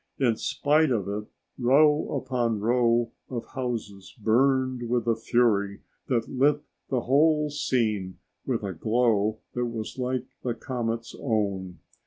In spite of it, row upon row of houses burned with a fury that lit the whole scene with a glow that was like the comet's own.